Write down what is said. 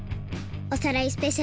「おさらいスペシャル」